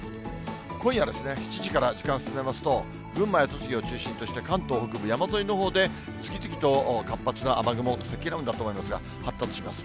今夜、７時から時間進めますと、群馬や栃木を中心として、関東北部、山沿いのほうで次々と活発な雨雲、積乱雲だと思いますが、発達します。